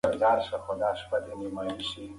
که زغم وي نو شخړه نه جوړیږي.